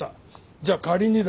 じゃあ仮にだ